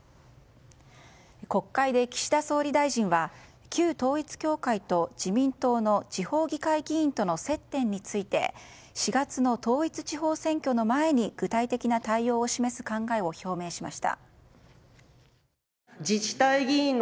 国会で岸田総理大臣は旧統一教会と自民党の地方議会議員との接点について４月の統一地方選挙の前に具体的な対応を示す考えを表明しました。